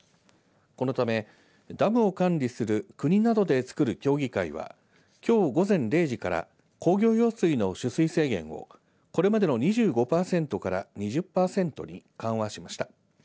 このため、ダムを管理する国などでつくる協議会はきょう午前０時から工業用水の取水制限をこれまでの２５パーセントから２０パーセントに緩和しました。